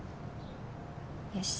よし！